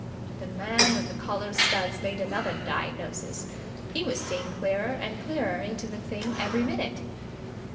'" The man with the collar studs made another diagnosis. He was seeing clearer and clearer into the thing every minute.